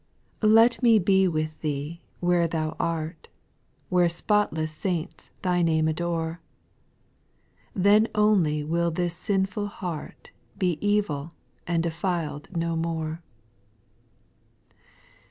8. Let me be with Thee where Thou art. Where spotless saints Thy name adore ; Then only will this sinful heart Be evil and defiled no more.